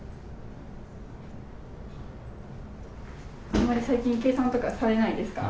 あんまり最近、計算とかされないですか？